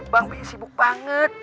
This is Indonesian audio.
bang pi'i sibuk banget